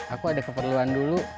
aku ada keperluan dulu